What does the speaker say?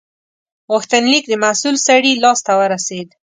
غوښتنلیک د مسول سړي لاس ته ورسید.